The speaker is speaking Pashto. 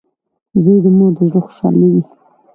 • زوی د مور د زړۀ خوشحالي وي.